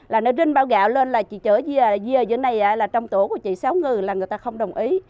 là nó rinh bao gạo lên là chị chở dưa dưới này là trong tổ của chị sáu ngư là người ta không đồng ý